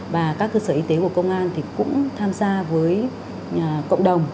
và các cơ sở y tế của công an thì cũng tham gia với cộng đồng